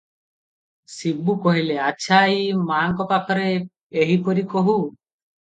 ଶିବୁ କହିଲେ- "ଆଚ୍ଛା ଆଈ, ମାଙ୍କ ପାଖରେ ଏହିପରି କହୁ ।"